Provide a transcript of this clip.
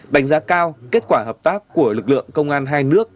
đánh giá cao kết quả hợp tác của lực lượng công an hai nước